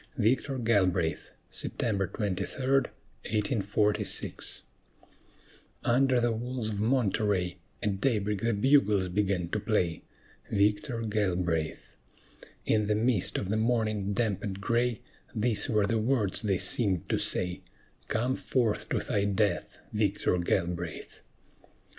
VICTOR GALBRAITH [September 23, 1846] Under the walls of Monterey At daybreak the bugles began to play, Victor Galbraith! In the mist of the morning damp and gray, These were the words they seemed to say: "Come forth to thy death, Victor Galbraith!"